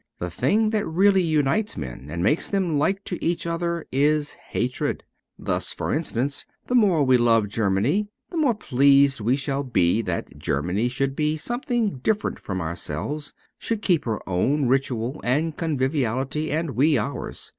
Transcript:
The thing that really unites men and makes them like to each other is hatred. Thus, for instance, the more we love Germany the more pleased we shall be that Germany should be something different from ourselves, should keep her own ritual and conviviality and we ours.